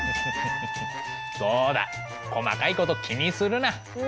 そうだ細かいこと気にするな。